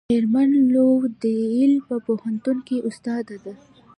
میرمن لو د ییل په پوهنتون کې استاده ده.